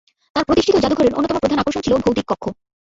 তার প্রতিষ্ঠিত যাদুঘরের অন্যতম প্রধান আকর্ষণ ছিল 'ভৌতিক কক্ষ'।